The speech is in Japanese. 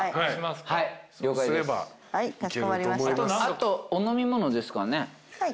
あとお飲み物ですかね。